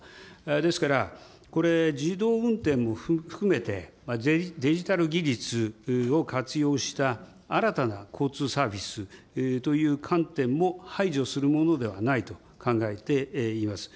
ですから、これ、自動運転も含めて、デジタル技術を活用した新たな交通サービスという観点も排除するものではないと考えています。